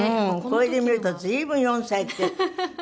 これで見ると随分４歳って。